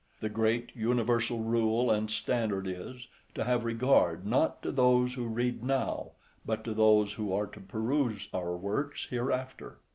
The great universal rule and standard is, to have regard not to those who read now, but to those who are to peruse our works hereafter.